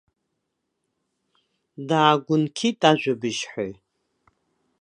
Даагәынқьит ажәабжьҳәаҩ.